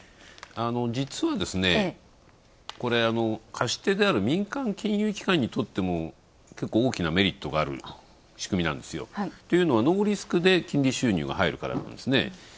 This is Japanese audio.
実は、貸し手である民間金融機関にとっても結構大きなメリットがある仕組みなんですよ。というのは、ノーリスクで金利収入が入るからなんですね。